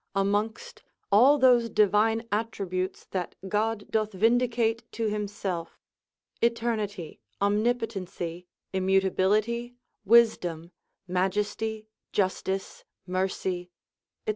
Amongst all those divine attributes that God doth vindicate to himself, eternity, omnipotency, immutability, wisdom, majesty, justice, mercy, &c.